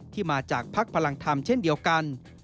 ที่มาจากภักดิ์พลังธรรมเช่นเดียวกัน